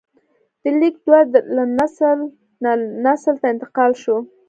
د لیک دود له نسل نه نسل ته انتقال شو.